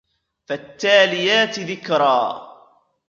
فالتاليات ذكرا